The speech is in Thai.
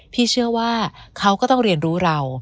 พี่เชื่อว่าเขาก็ต้องเรียนรู้เรา